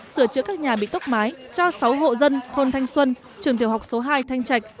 sửa chữa các nhà bị tốc mái cho sáu hộ dân thôn thanh xuân trường tiểu học số hai thanh trạch